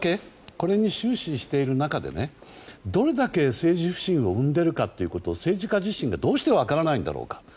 これに終始している中でどれだけ政治不信を生んでるかを政治家自身がどうして分からないんだろうか。